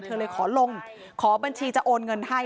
เธอเลยขอลงขอบัญชีจะโอนเงินให้